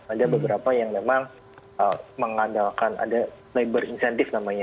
ada beberapa yang memang mengandalkan ada labor incentive namanya